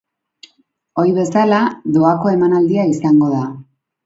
Ohi bezala, doako emanaldia izango da.